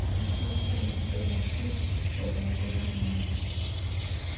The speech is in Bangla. আসলে, তেনতোমুশি সৌভাগ্যবান নয়।